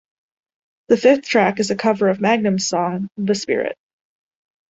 The fifth track is a cover of Magnum's song "The Spirit".